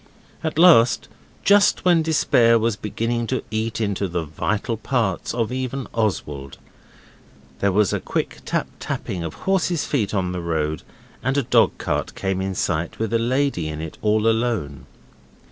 At last, just when despair was beginning to eat into the vital parts of even Oswald, there was a quick tap tapping of horses' feet on the road, and a dogcart came in sight with a lady in it all alone.